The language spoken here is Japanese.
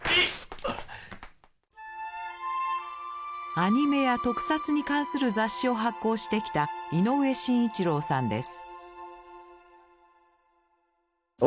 アニメや特撮に関する雑誌を発行してきた井上伸一郎さんです。